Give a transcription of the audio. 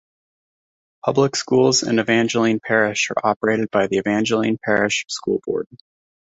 Public schools in Evangeline Parish are operated by the Evangeline Parish School Board.